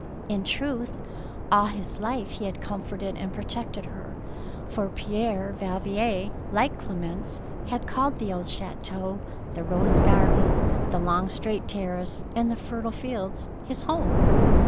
In truth, all his life he had comforted and protected her, for Pierre Valvier, like Clemence, had called the old chateau, the rose garden, the long straight terrace, and the fertile fields his home.